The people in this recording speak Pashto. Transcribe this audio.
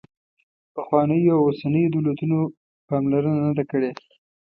پخوانیو او اوسنیو دولتونو پاملرنه نه ده کړې.